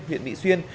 huyện mỹ xuyên